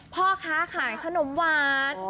พ่อคะที่ขายขนมวัน